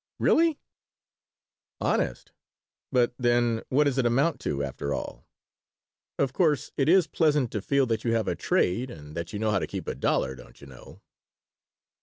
"Really?" "Honest. But, then, what does it amount to, after all? Of course, it is pleasant to feel that you have a trade and that you know how to keep a dollar, don't you know."